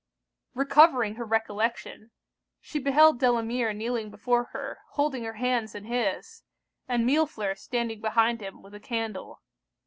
Recovering her recollection, she beheld Delamere kneeling before her, holding her hands in his; and Millefleur standing behind him with a candle.